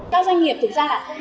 cho doanh nghiệp thực ra là